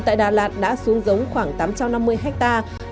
tại đà lạt đã xuống giống khoảng tám trăm năm mươi hectare